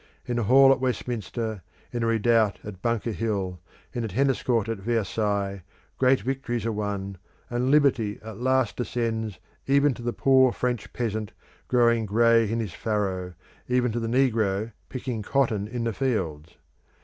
In a hall at Westminster, in a redoubt at Bunker Hill, in a tennis court at Versailles, great victories are won, and liberty at last descends even to the poor French peasant growing grey in his furrow, even to the negro picking cotton in the fields.